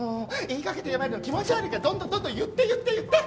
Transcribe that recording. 言いかけてやめるの気持ち悪いからどんどんどんどん言って言って言って！